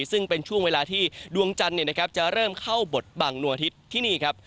ซึ่งเป็นช่วงเวลาที่ดวงจันทร์จะเริ่มเข้าบทบังดวงอาทิตย์ที่นี่ครับ